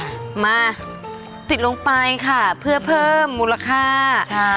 มาติดลงไปค่ะเพื่อเพิ่มมูลค่าใช่